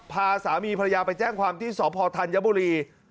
พาสามีภรรยาไปแจ้งความที่สพธัญบุรี